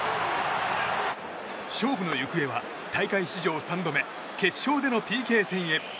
勝負の行方は大会史上３度目決勝でのＰＫ戦へ。